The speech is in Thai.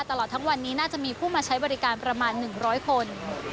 ตลอดทั้งวันนี้น่าจะมีผู้มาใช้บริการประมาณ๑๐๐คน